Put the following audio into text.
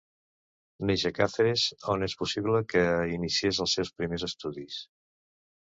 Neix a Càceres, on és possible que iniciés els seus primers estudis.